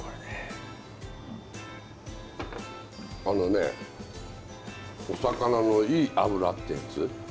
あのねお魚のいい脂ってやつ？